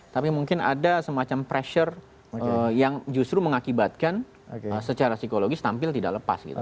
tapi mungkin ada semacam pressure yang justru mengakibatkan secara psikologis tampil tidak lepas gitu